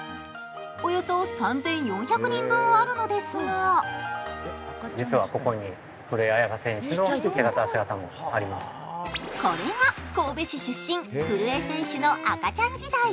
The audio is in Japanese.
およそ３４００人分あるのですがこれが神戸市出身、古江選手の赤ちゃん時代。